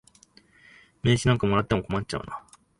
名刺なんかもらっても困っちゃうな。